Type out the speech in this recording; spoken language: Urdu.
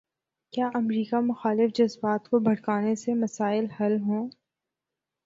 کیا امریکہ مخالف جذبات کو بھڑکانے سے مسائل حل ہوں۔